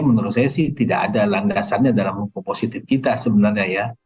menurut saya sih tidak ada landasannya dalam hukum positif kita sebenarnya ya